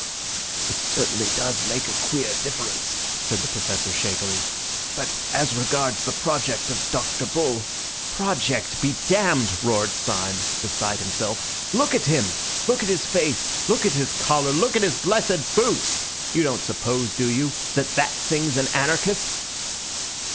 "It certainly does make a queer difference," said the Professor shakily. "But as regards the project of Dr. Bull—" "Project be damned!" roared Syme, beside himself. "Look at him! Look at his face, look at his collar, look at his blessed boots! You don't suppose, do you, that that thing's an anarchist?"